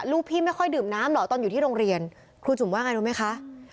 ลูกพี่ไม่ค่อยดื่มน้ำเหรอตอนอยู่ที่โรงเรียนครูจุ๋มว่าไงรู้ไหมคะ